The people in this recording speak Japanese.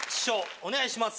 お願いします。